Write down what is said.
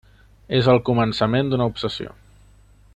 És el començament d'una obsessió.